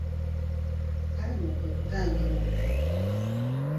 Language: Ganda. Kale nno kwe kutangira okwo.